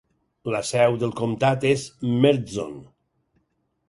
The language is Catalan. La seu del comtat és Mertzon.